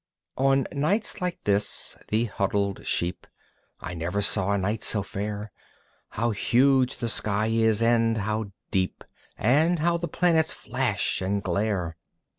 IV On nights like this the huddled sheep I never saw a night so fair. How huge the sky is, and how deep! And how the planets flash and glare!